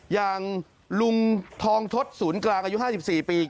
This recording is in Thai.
อย่างลุงทองทศศูนย์กลางอายุ๕๔ปี